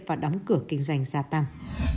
và đóng cửa kinh doanh gia tăng